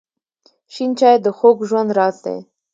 شین چای د خوږ ژوند راز دی.